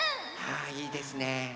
あいいですね。